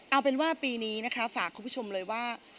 เอาเป็นว่าปีนี้นะคะฝากคุณผู้ชมเลยว่า